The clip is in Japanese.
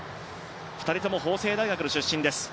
２人とも法政大学の出身です。